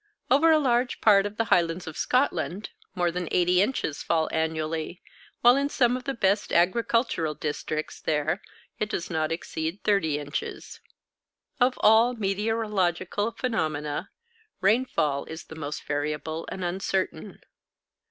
Over a large part of the Highlands of Scotland more than 80 inches fall annually, while in some of the best agricultural districts there it does not exceed 30 inches. Of all meteorological phenomena, rainfall is the most variable and uncertain.